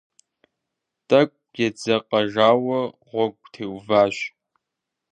Тӏэкӏу едзэкъэжауэ гъуэгу теуващ.